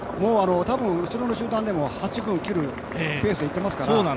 多分後ろの集団でも８分切るペースですから。